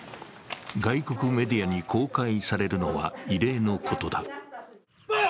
外国メディアに公開されるのは異例のことだ。